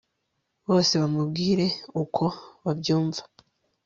bose bamubwireuko babyumva